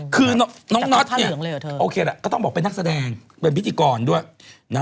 คือน้องน็อตเนี่ยโอเคแหละก็ต้องบอกเป็นนักแสดงเป็นพิธีกรด้วยนะ